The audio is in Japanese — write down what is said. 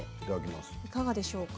いかがでしょうか。